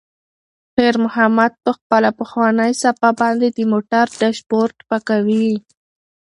خیر محمد په خپله پخوانۍ صافه باندې د موټر ډشبورډ پاکوي.